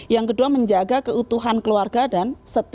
yang kedua menjaga keutuhan keluarga dan setia